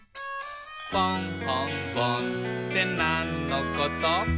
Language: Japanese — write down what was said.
「ぽんほんぼんってなんのこと？」